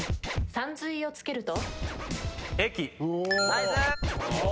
さんずいをつけると？